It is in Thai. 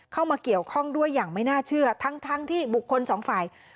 เข้ามาเกี่ยวข้องด้วยอย่างไม่น่าเชื่อทั้งที่บุคคลสองฝ่าย